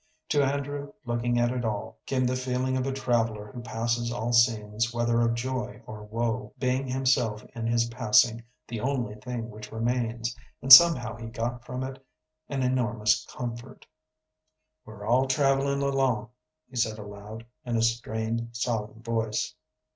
To Andrew, looking at it all, came the feeling of a traveller who passes all scenes whether of joy or woe, being himself in his passing the one thing which remains, and somehow he got from it an enormous comfort. "We're all travellin' along," he said aloud, in a strained, solemn voice.